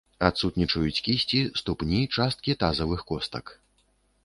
Адсутнічаюць кісці, ступні, часткі тазавых костак.